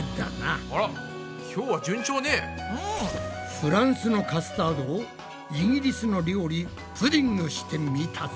フランスのカスタードをイギリスの料理プディングしてみたぞ！